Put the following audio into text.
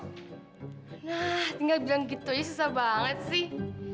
nah tinggal bilang gitu aja susah banget sih